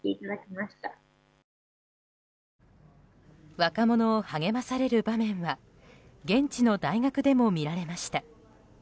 若者を励まされる場面は現地の大学でも見られました。